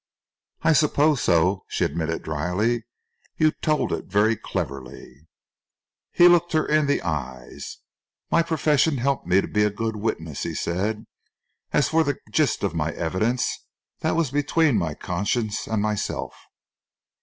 "I suppose so," she admitted drily. "You told it very cleverly." He looked her in the eyes. "My profession helped me to be a good witness," he said. "As for the gist of my evidence, that was between my conscience and myself."